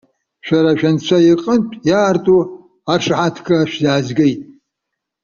Шәара шәынцәа иҟынтә иаарту аршаҳаҭга шәзаазгеит.